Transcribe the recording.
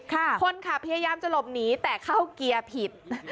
คนขับพยายามจะหลบหนีแต่เข้าเกียร์ผิด